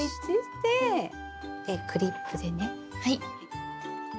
でクリップでねはい。